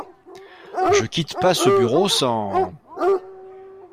Je quitte pas ce bureau sans…